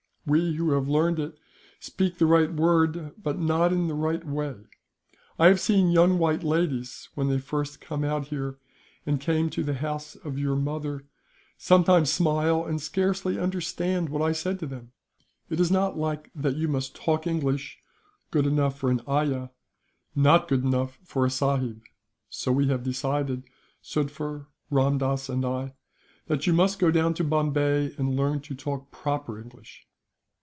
We who have learned it speak the right word, but not in the right way. I have seen young white ladies, when they first came out here, and came to the house of your mother, sometimes smile and scarcely understand what I said to them. It is not like that that you must talk English good enough for an ayah, not good enough for a sahib so we have decided, Sufder, Ramdass and I, that you must go down to Bombay, and learn to talk proper English.